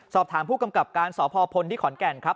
สอบถามผู้กำกับการสพพลที่ขอนแก่นครับ